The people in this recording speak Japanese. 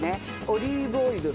オリーブオイル。